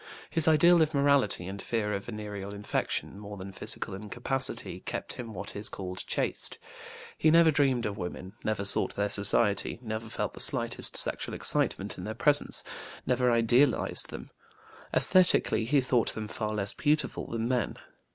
His ideal of morality and fear of venereal infection, more than physical incapacity, kept him what is called chaste. He never dreamed of women, never sought their society, never felt the slightest sexual excitement in their presence, never idealized them. Esthetically, he thought them far less beautiful than men.